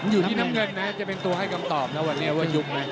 อยู่ที่น้ำเงินนะจะเป็นตัวให้คำตอบนะวันนี้ว่ายุบนะ